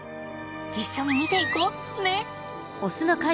一緒に見ていこ！ね！